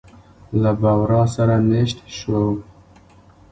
له بورا سره مېشت شوو.